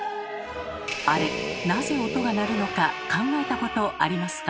あれなぜ音が鳴るのか考えたことありますか？